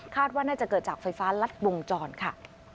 ว่าน่าจะเกิดจากไฟฟ้ารัดวงจรค่ะ